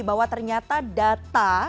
bahwa ternyata data